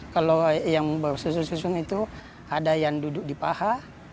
kalau yang bersusun susun itu ada yang duduk di paha